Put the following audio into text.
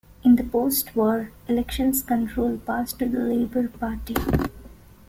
In post-war elections control passed to the Labour Party.